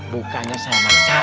bukannya saya masak